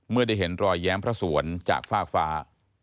ได้เห็นรอยแย้มพระสวนจากฟากฟ้า